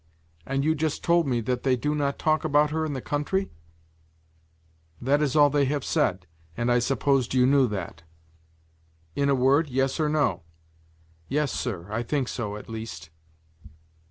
"And you just told me that they do not talk about her in the country?" "That is all they have said, and I supposed you knew that." "In a word, yes or no?" "Yes, sir, I think so, at least."